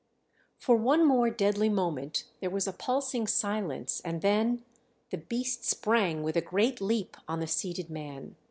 For one more deadly moment there was a pulsing silence and then ... the beast sprang with a great leap on the seated man.